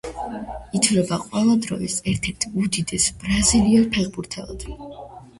ითვლება ყველა დროის ერთ-ერთ უდიდეს ბრაზილიელ ფეხბურთელად.